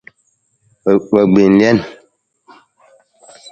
Wa gbem lon.